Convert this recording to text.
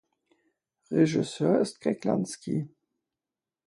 Regisseur ist Greg Lansky.